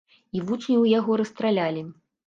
І вучняў яго расстралялі.